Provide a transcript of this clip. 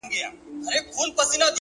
پوه انسان د غرور بار نه وړي.